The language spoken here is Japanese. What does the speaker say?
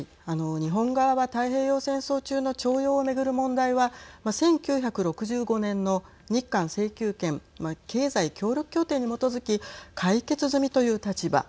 日本側は太平洋戦争中の徴用を巡る問題は１９６５年の日韓請求権経済協力協定に基づき解決済みという立場。